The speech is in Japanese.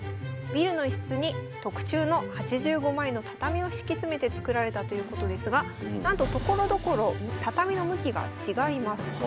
ビルの一室に特注の８５枚の畳を敷き詰めて作られたということですがなんとところどころ畳の向きが違います。